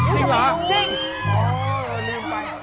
จริงเหรอ